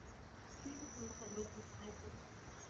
君主可为独裁者。